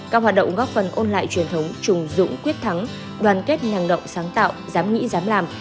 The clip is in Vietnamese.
các hoạt động góp phần ôn lại truyền thống trùng dũng quyết thắng đoàn kết năng động sáng tạo dám nghĩ dám làm